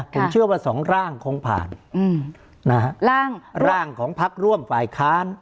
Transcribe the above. ผมเชื่อว่าสองร่างคงผ่านนะฮะร่างร่างของพักร่วมฝ่ายค้าน